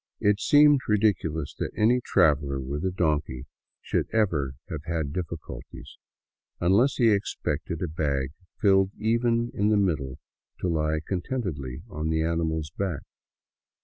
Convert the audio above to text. It seemed ridiculous that any traveler with a donkey should ever have had difficulties — unless he expected a bag filled even in the middle to lie contentedly on the animal's back.